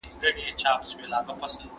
درواغ ژر ښکاره سي